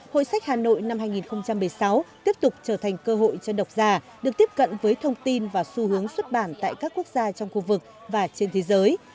hội cho đọc giả được tiếp cận với thông tin và xu hướng xuất bản tại các quốc gia trong khu vực và trên thế giới